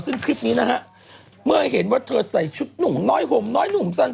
ซึ่งคลิปนี้นะฮะเมื่อเห็นว่าเธอใส่ชุดหนุ่มน้อยห่มน้อยหนุ่มสั้น